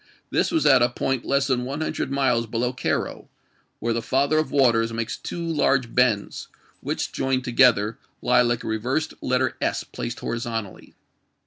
This was at a point less than one hundi ed miles below Cairo, where the Father of Waters makes two large bends, which, joined together, lie like a reversed letter S placed horizontally.